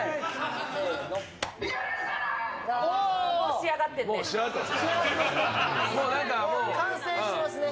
仕上がってますね。